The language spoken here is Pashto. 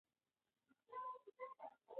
آیا پښتو ژبه زموږ کلتوري اصالت ته وده ورکوي؟